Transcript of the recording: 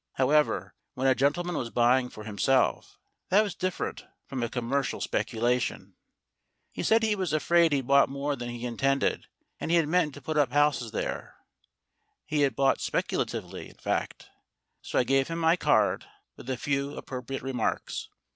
However, when a gentleman was buying for himself, that was different from a commercial speculation. He said he was afraid he'd bought more than he intended, and he had meant to put up houses there. He had bought speculatively, in fact. So I gave him my card, with a few appropriate remarks.